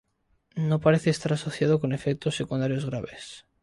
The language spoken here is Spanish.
No parece estar asociado con efectos secundarios graves.